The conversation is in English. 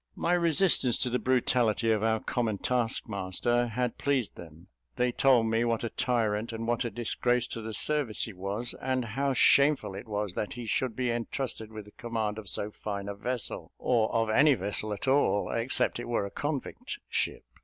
My resistance to the brutality of our common taskmaster had pleased them; they told me what a tyrant and what a disgrace to the service he was, and how shameful it was that he should be entrusted with the command of so fine a vessel, or of any vessel at all, except it were a convict ship.